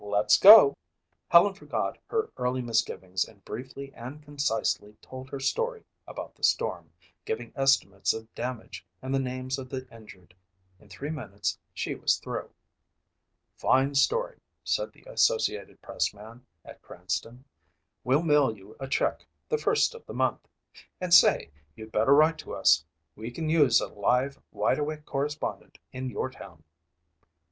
"Let's go." Helen forgot her early misgivings and briefly and concisely told her story about the storm, giving estimates of damage and the names of the injured. In three minutes she was through. "Fine story," said the Associated Press man at Cranston. "We'll mail you a check the first of the month. And say, you'd better write to us. We can use a live, wide awake correspondent in your town."